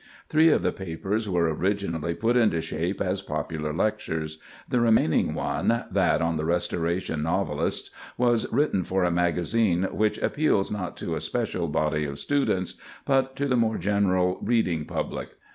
Three of the papers were originally put into shape as popular lectures. The remaining one—that on the Restoration novelists—was written for a magazine which appeals not to a special body of students, but to the more general reading public.